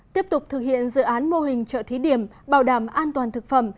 tiếp tục thực hiện dự án mô hình chợ thí điểm bảo đảm an toàn thực phẩm